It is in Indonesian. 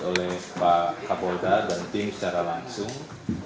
oleh pak kapolda dan tim secara langsung